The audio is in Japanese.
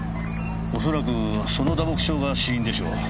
恐らくその打撲傷が死因でしょう。